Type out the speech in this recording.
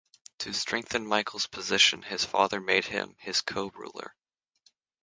To strengthen Michael's position, his father made him his co-ruler.